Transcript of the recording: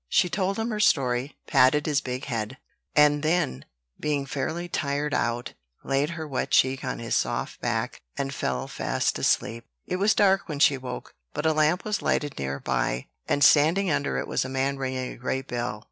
She told him her story, patted his big head; and then, being fairly tired out, laid her wet cheek on his soft back, and fell fast asleep. It was quite dark when she woke; but a lamp was lighted near by, and standing under it was a man ringing a great bell.